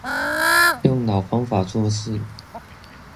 用老方法做事